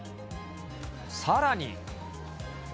さらに。